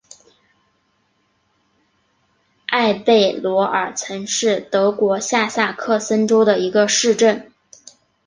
埃贝罗尔岑是德国下萨克森州的一个市镇。